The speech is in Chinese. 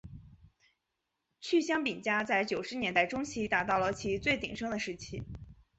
趣香饼家在九十年代中期达到了其最鼎盛的时期。